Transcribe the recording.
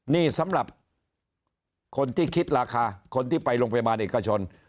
นี่สำหรับคนที่คิดราคาคนที่ไปโรงพยาบาลเอกชน